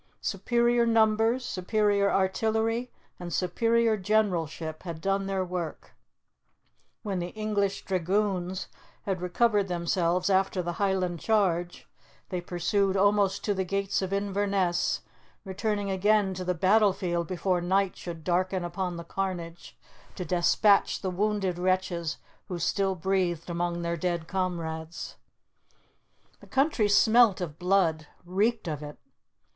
Superior numbers, superior artillery, and superior generalship, had done their work; when the English dragoons had recovered themselves after the Highland charge, they pursued almost to the gates of Inverness, returning again to the battlefield before night should darken upon the carnage, to despatch the wounded wretches who still breathed among their dead comrades. The country smelt of blood; reeked of it.